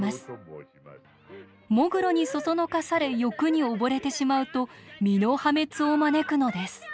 喪黒にそそのかされ欲に溺れてしまうと身の破滅を招くのです。